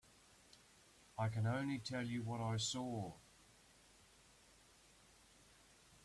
I can only tell you what I saw.